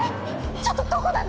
ちょっとどこなの！？